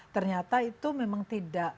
ternyata itu memang tidak